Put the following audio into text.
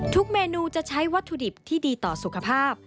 เมนูจะใช้วัตถุดิบที่ดีต่อสุขภาพ